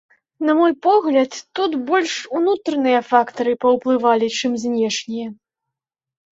На мой погляд, тут больш унутраныя фактары паўплывалі, чым знешнія.